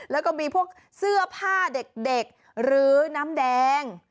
แล้วก็มีพวกเสื้อผ้าเด็กหรือน้ำแดง